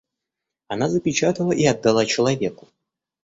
Она запечатала и отдала человеку.